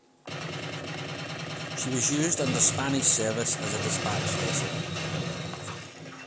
She was used under Spanish service as dispatch vessel.